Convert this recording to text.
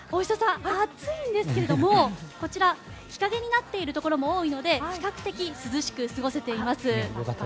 暑いんですけども日陰になっているところも多いので比較的涼しく過ごせています。